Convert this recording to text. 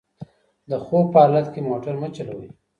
د خوب په حالت کې موټر مه چلوئ.